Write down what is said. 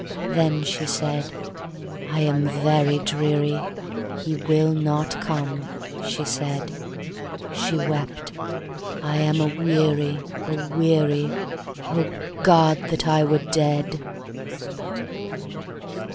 Then, said she, 'I am very dreary, He will not come,' she said; She wept, 'I am aweary, aweary, O God, that I were dead!'